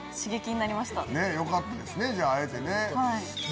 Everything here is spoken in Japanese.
よかったですね会えて。